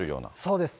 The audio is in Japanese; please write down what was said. そうです。